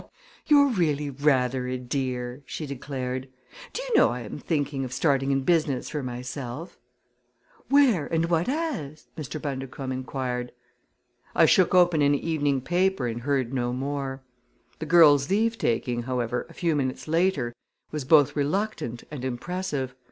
"You're really rather a dear!" she declared. "Do you know I am thinking of starting in business for myself?" "Where, and what as?" Mr. Bundercombe inquired. I shook open an evening paper and heard no more. The girl's leavetaking, however, a few minutes later, was both reluctant and impressive.